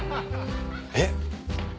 えっ？